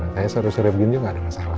kayaknya seru seru begini juga gak ada masalah